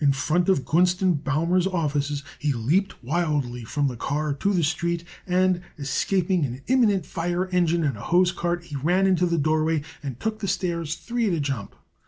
In front of Gunst & Baumer's offices he leaped wildly from the car to the street, and, escaping an imminent fire engine and a hosecart, he ran into the doorway and took the stairs three at a jump.